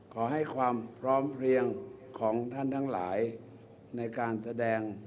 ขอให้ความพร้อมเพลียงของท่านทั้งหลายในการแสดง